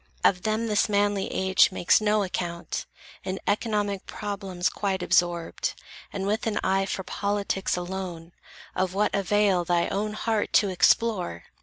Of them, this manly age makes no account, In economic problems quite absorbed, And with an eye for politics alone, Of what avail, thy own heart to explore?